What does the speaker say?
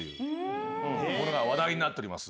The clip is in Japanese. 話題になっております。